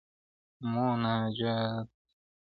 مناجات-